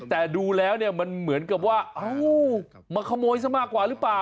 แต่ดูแล้วเนี่ยมันเหมือนกับว่ามาขโมยซะมากกว่าหรือเปล่า